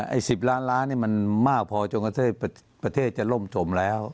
ไอ้๑๐ล้านล้านนี่มันมากพอจนกระประเทศจะล่มจมแล้ว